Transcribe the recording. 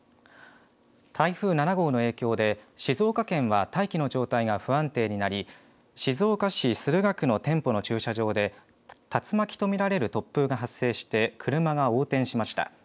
台風７号の影響で、静岡県は大気の状態が不安定になり、静岡市駿河区の店舗の駐車場で、竜巻と見られる突風が発生して、車が横転しました。